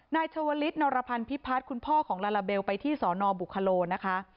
ชาวลิศนรพันธ์พิพัฒน์คุณพ่อของลาลาเบลไปที่สนบุคโลนะคะ